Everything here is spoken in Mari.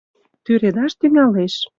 Тӱредаш тӱҥалеш.